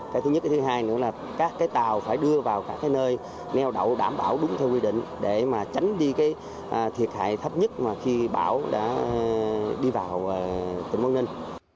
cái thứ nhất cái thứ hai nữa là các cái tàu phải đưa vào các cái nơi neo đậu đảm bảo đúng theo quy định để mà tránh đi cái thiệt hại thấp nhất mà khi bão đã đi vào tỉnh bắc ninh